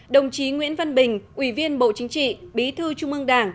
đồng chí nguyễn văn bình ủy viên bộ chính trị bí thư trung ương đảng